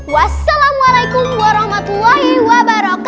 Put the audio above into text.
wassalamualaikum warahmatullahi wabarakatuh